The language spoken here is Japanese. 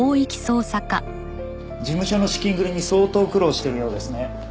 事務所の資金繰りに相当苦労してるようですね。